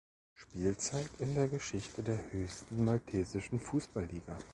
Spielzeit in der Geschichte der höchsten maltesischen Fußballliga.